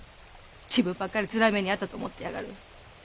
自分ばっかりつらい目に遭ったと思ってやがる。